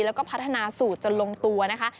แล้วก็พัฒนาสูตรจนลงตัวนะคะ